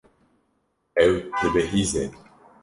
Ew dibihîze.